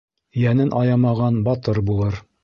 Йәнен аямаған батыр булыр.